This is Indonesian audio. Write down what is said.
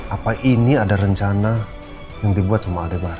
apa ini ada rencana yang dibuat sama adik bahra